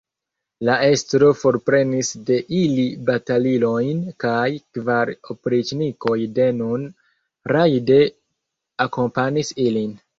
La estro forprenis de ili batalilojn, kaj kvar opriĉnikoj denun rajde akompanis ilin.